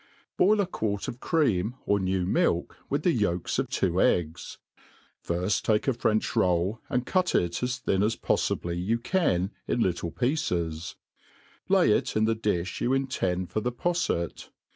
BOIL a quart of cream, or new milk, with the yolks of t«^o eggs: firft take a French roll, and cut it as thin as poffibly you can in little pieces ; lay it in the difii you intend for the poflet..